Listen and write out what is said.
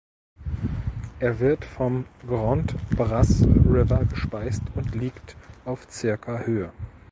Er wird vom Grand Bras River gespeist und liegt auf circa Höhe.